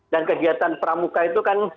dan kegiatan pramuka itu kan